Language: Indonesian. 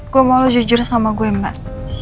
gue mau jujur sama gue mbak